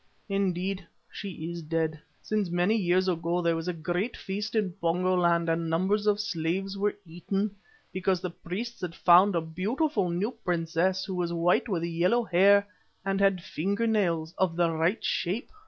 Indeed she is dead, since many years ago there was a great feast in Pongo land and numbers of slaves were eaten, because the priests had found a beautiful new princess who was white with yellow hair and had finger nails of the right shape."